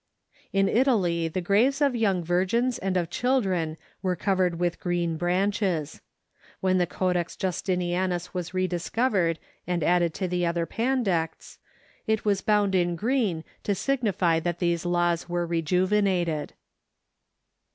In Italy the graves of young virgins and of children were covered with green branches. When the Codex Justinianus was rediscovered and added to the other Pandects, it was bound in green to signify that these laws were rejuvenated.